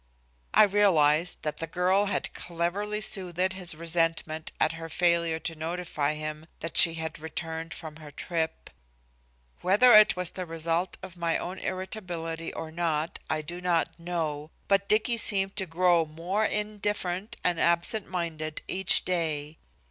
I realized that the girl had cleverly soothed his resentment at her failure to notify him that she had returned from her trip. Whether it was the result of my own irritability or not I do not know, but Dicky seemed to grow more indifferent and absent minded each day.